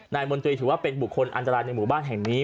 มนตรีถือว่าเป็นบุคคลอันตรายในหมู่บ้านแห่งนี้